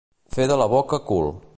Fer de la boca cul.